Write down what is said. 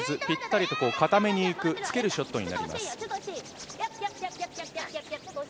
ぴったりと固めにいく、つけるショットになります。